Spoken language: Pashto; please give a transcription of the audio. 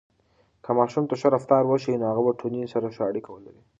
که ماشوم ته ښه رفتار وښیو، نو هغه به ټولنې سره ښه اړیکه ولري.